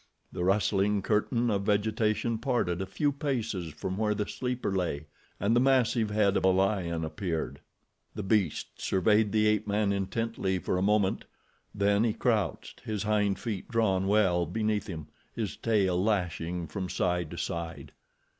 The rustling curtain of vegetation parted a few paces from where the sleeper lay, and the massive head of a lion appeared. The beast surveyed the ape man intently for a moment, then he crouched, his hind feet drawn well beneath him, his tail lashing from side to side.